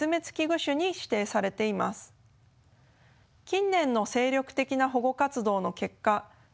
近年の精力的な保護活動の結果